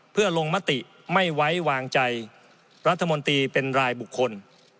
เพื่อลงมติไม่ไว้วางใจรัฐมนตรีเป็นรายบุคคล